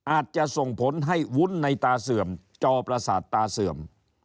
อาจจะส่งผลให้วุ้นในตาเสื่อมจอประสาทตาเสื่อม